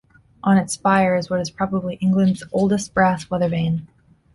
On its spire is what is probably England's oldest brass weather vane.